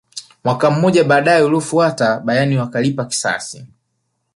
mwaka mmoja baadaye uliofuata bayern wakalipa kisasi